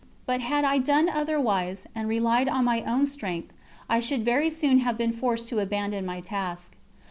But had I done otherwise, and relied on my own strength, I should very soon have been forced to abandon my task.